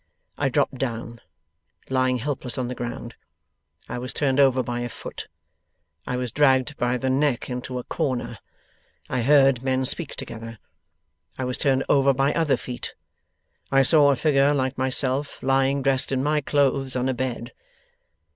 I dropped down. Lying helpless on the ground, I was turned over by a foot. I was dragged by the neck into a corner. I heard men speak together. I was turned over by other feet. I saw a figure like myself lying dressed in my clothes on a bed.